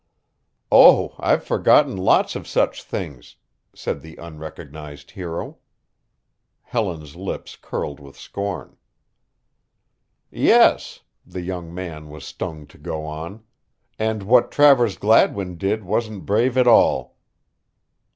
"Oh, I've forgotten lots of such things," said the unrecognized hero. Helen's lips curled with scorn. "Yes," the young man was stung to go on, "and what Travers Gladwin did wasn't brave at all."